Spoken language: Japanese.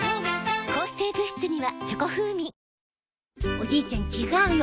おじいちゃん違うよ。